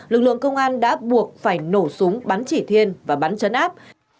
lực lượng công an đã buộc phải nổ súng bắn chỉ thiên và bắn chấn áp